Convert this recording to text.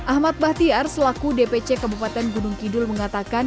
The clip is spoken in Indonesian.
ahmad bahtiar selaku dpc kabupaten gunung kidul mengatakan